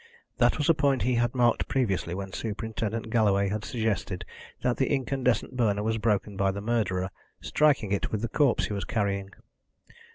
That was a point he had marked previously when Superintendent Galloway had suggested that the incandescent burner was broken by the murderer striking it with the corpse he was carrying.